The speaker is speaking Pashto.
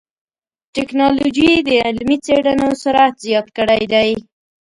ټکنالوجي د علمي څېړنو سرعت زیات کړی دی.